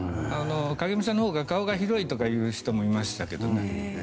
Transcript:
影武者のほうが顔が広いとかって言う人もいましたけどね。